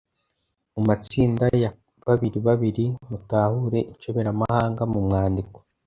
Mu matsinda ya babiribabiri mutahure inshoberamahanga mu mwandiko,